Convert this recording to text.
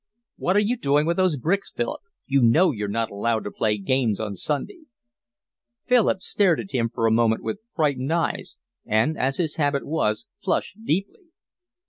"What are you doing with those bricks, Philip? You know you're not allowed to play games on Sunday." Philip stared at him for a moment with frightened eyes, and, as his habit was, flushed deeply.